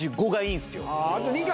あと２画。